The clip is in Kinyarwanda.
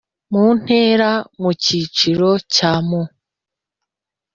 mu ntera mu cyiciro cyangwa mu